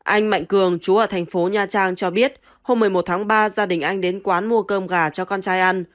anh mạnh cường chú ở thành phố nha trang cho biết hôm một mươi một tháng ba gia đình anh đến quán mua cơm gà cho con trai ăn